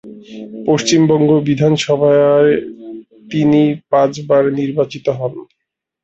পশ্চিমবঙ্গ বিধানসভায় তিনি পাঁচ বার নির্বাচিত হন।